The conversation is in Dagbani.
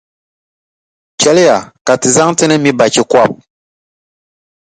Chɛliya ka ti zaŋ ti ni mi bachikɔbʼ.